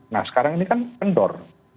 nah sekarang ini kan kendor